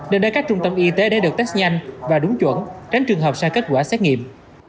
để đưa các trung tâm y tế để được test nhanh và đúng chuẩn tránh trường học sai kết quả xét nghiệm